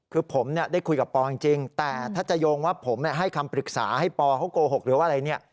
คือผมได้คุยกับปอจริงแต่ถ้าจะโยงว่าผมให้คำปรึกษาให้ปอเขาโกหกหรือว่าอะไรเนี่ย